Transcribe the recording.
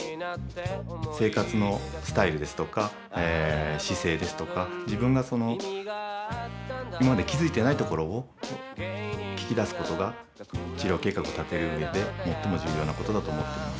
生活のスタイルですとか姿勢ですとか自分が今まで気付いてないところを聞き出すことが治療計画を立てるうえでもっとも重要なことだと思っています。